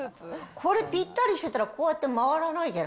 これ、ぴったりしてたらこうやって回らないじゃん。